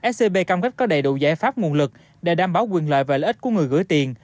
scb cam kết có đầy đủ giải pháp nguồn lực để đảm bảo quyền lợi và lợi ích của người gửi tiền